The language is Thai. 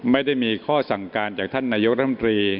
ไม่ได้มีข้อสั่งการจากท่านนายกรมตรี